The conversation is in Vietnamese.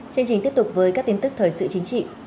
chương trình tiếp tục với các tin tức thời sự chính trị